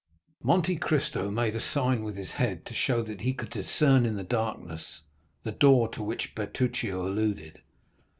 Monte Cristo made a sign with his head to show that he could discern in the darkness the door to which Bertuccio alluded.